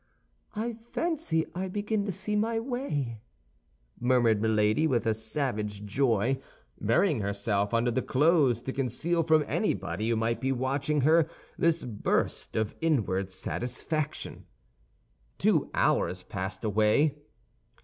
"I fancy I begin to see my way," murmured Milady, with a savage joy, burying herself under the clothes to conceal from anybody who might be watching her this burst of inward satisfaction. Two hours passed away.